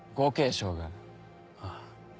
ああ。